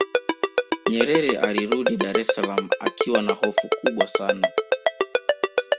nyerere alirudi dar es salaam akiwa na hofu kubwa sana